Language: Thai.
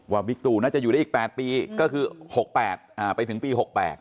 บิ๊กตูน่าจะอยู่ได้อีก๘ปีก็คือ๖๘ไปถึงปี๖๘